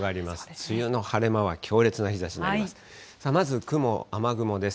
梅雨の晴れ間は強烈な日ざしになります。